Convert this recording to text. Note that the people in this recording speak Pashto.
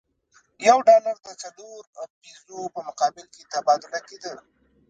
یو ډالر د څلورو پیزو په مقابل کې تبادله کېده.